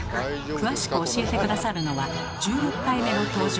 詳しく教えて下さるのは１６回目の登場。